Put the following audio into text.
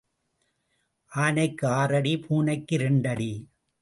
ஆனைக்கு ஆறு அடி பூனைக்கு இரண்டு அடி.